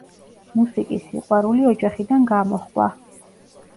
მუსიკის სიყვარული ოჯახიდან გამოჰყვა.